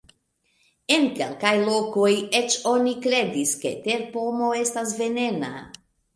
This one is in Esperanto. En kelkaj lokoj eĉ oni kredis, ke terpomo estas venena.